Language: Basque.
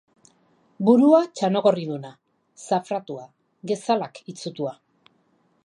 Burua, txanogorriduna, zafratua, gezalak itsutua.